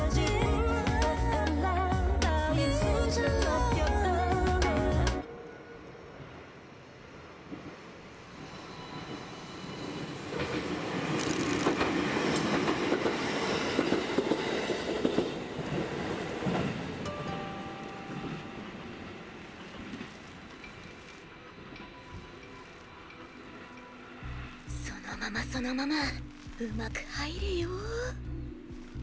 心の声そのままそのままうまく入れよ。